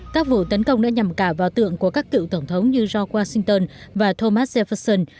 các vụ tấn công đã nhằm cả vào tượng của các cựu tổng thống như joh washington và thomas ferson